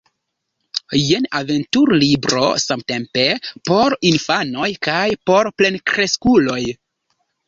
Jen aventur-libro samtempe por infanoj kaj por plenkreskuloj.